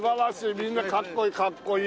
みんなかっこいいかっこいい。